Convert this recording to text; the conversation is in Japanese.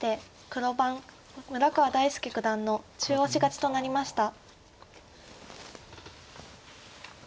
黒番村川大介九段の中押し勝ちとなりました。